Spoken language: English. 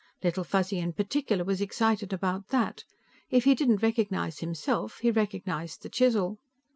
Little Fuzzy in particular was excited about that; if he didn't recognize himself, he recognized the chisel.